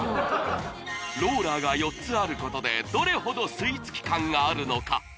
ローラーが４つあることでどれほど吸い付き感があるのか？